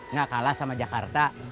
nggak kalah sama jakarta